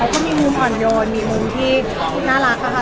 แต่เขาก็มีมุมอ่อนโยนมีมุมที่คุณน่ารักอะค่ะ